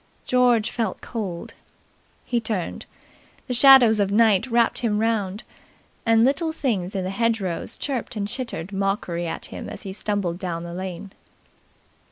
George felt cold. He turned. The shadows of night wrapped him round, and little things in the hedgerows chirped and chittered mockery at him as he stumbled down the lane.